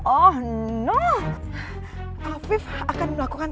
oh afif akan melakukan